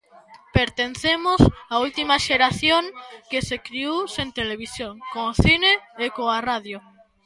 Pertencemos á última xeración que se criou sen televisión, co cine e coa radio.